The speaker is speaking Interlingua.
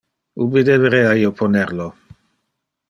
Ubi deberea Io poner illo?